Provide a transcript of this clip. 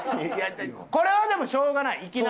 これはでもしょうがない。